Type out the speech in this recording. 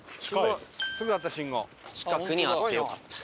近くにあってよかった。